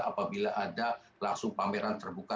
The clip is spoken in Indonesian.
apabila ada langsung pameran terbuka